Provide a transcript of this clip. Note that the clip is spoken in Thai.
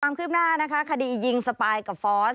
ความคืบหน้านะคะคดียิงสปายกับฟอส